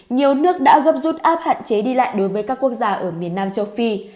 nhiều nước đã gấp rút áp hạn chế đi lại đối với các quốc gia ở miền nam châu phi